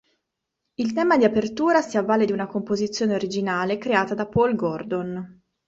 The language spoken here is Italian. Il tema di apertura si avvale di una composizione originale creata da Paul Gordon.